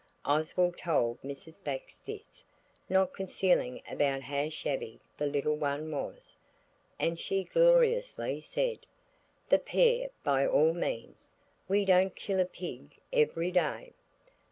Oswald told Mrs. Bax this, not concealing about how shabby the little one was, and she gloriously said– "The pair by all means! We don't kill a pig every day!"